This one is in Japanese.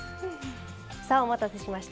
さあお待たせしました。